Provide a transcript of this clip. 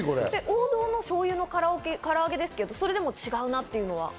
王道のしょうゆの唐揚げですけど、それでも違うなって言うのは？